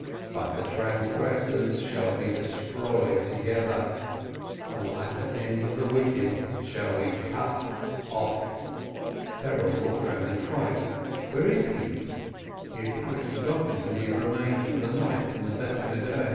But the transgressors shall be destroyed together: The latter end of the wicked shall be cut off ..." Berel looked round in a fright: Where is he? He had quite forgotten that he had remained for the night in the house of study.